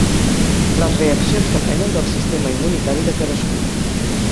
Les reaccions depenen del sistema immunitari de cadascú.